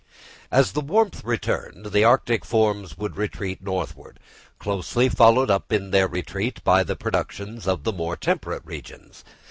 As the warmth returned, the arctic forms would retreat northward, closely followed up in their retreat by the productions of the more temperate regions.